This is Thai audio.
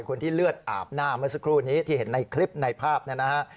คนที่เลือดอาบหน้าเมื่อสักครู่นี้ที่เห็นในคลิปในภาพเนี่ยนะฮะ